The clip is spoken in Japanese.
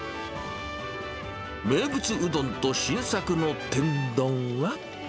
名物うどんと新作の天丼は。